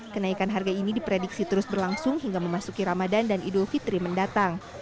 kenaikan harga ini diprediksi terus berlangsung hingga memasuki ramadan dan idul fitri mendatang